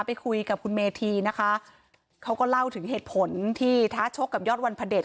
ไปคุยกับคุณเมธีนะคะเขาก็เล่าถึงเหตุผลที่ท้าชกกับยอดวันพระเด็จ